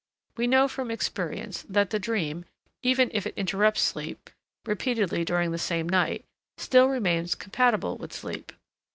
We know from experience that the dream, even if it interrupts sleep, repeatedly during the same night, still remains compatible with sleep.